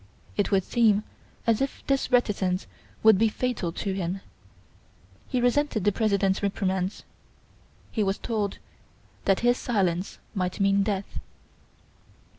It would seem as if this reticence would be fatal for him. He resented the President's reprimands. He was told that his silence might mean death.